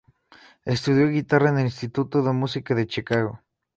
Estudió guitarra en el Instituto de Música de Chicago.